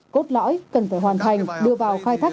cốt lõi cần phải hoàn thành đưa vào khai thác